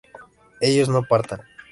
ellos no partan